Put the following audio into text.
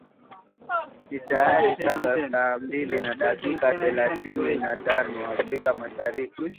ni tayari saa mbili na dakika thelathini na tano afrika mashariki